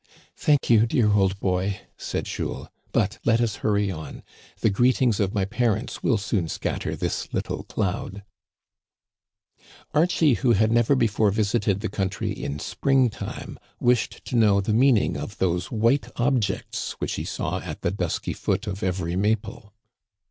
Thank you, dear old boy," said Jules, but let us hurry on. The greetings of my parents will soon scatter this little cloud." Digitized by VjOOQIC UHABERVILLE MANOR HOUSE. 103 Archie, who had never before visited the country in spring time, wished to know the meaning of those white objects which he saw at the dusky foot of every maple.